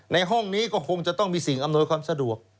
ในห้องนี้ก็คงจะต้องมีสิ่งอำนวยความสะดวก